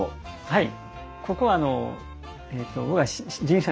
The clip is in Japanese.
はい。